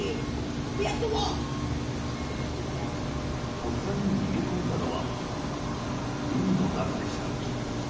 とっさに逃げ込んだのは海の中でした。